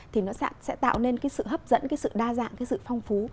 thì nó sẽ tạo nên cái sự hấp dẫn cái sự đa dạng cái sự phong phú